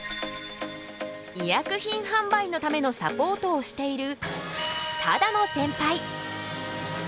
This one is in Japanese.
医薬品販売のためのサポートをしている只野センパイ。